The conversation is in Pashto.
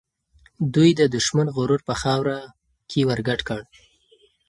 دوی د دښمن غرور په خاوره کې ورګډ کړ.